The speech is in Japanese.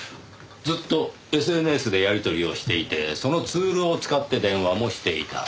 ずっとＳＮＳでやり取りをしていてそのツールを使って電話もしていた。